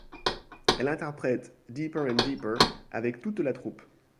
Elle interprète Deeper and Deeper avec toute la troupe.